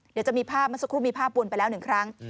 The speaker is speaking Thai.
เดี๋ยวจะมีภาพมันสักครู่มีภาพปวนไปแล้ว๑ครั้ง